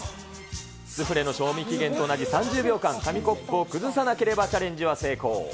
スフレの賞味期限と同じ３０秒間紙コップを崩さなければチャレンジは成功。